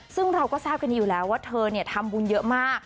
ซึ่งเราก็ทราบกันอยู่แล้วว่าเธอทำบุญเยอะมาก